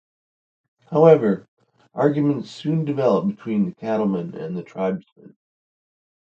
However, arguments soon developed between the cattlemen and the tribesmen.